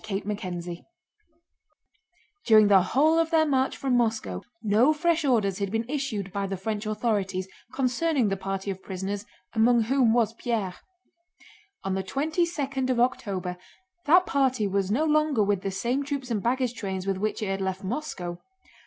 CHAPTER XII During the whole of their march from Moscow no fresh orders had been issued by the French authorities concerning the party of prisoners among whom was Pierre. On the twenty second of October that party was no longer with the same troops and baggage trains with which it had left Moscow.